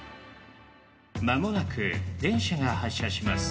間もなく電車が発車します。